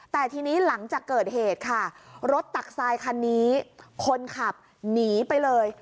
แต่ทีนี้หลังจากเกิดเหตุค่ะรถตักทรายคันนี้คนขับหนีไปเลย